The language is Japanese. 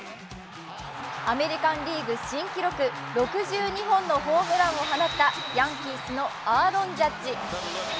アメリカン・リーグ新記録、６２本のホームランを放ったヤンキースのアーロン・ジャッジ。